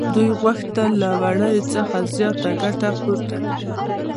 دوی غوښتل له وړیو څخه زیاته ګټه پورته کړي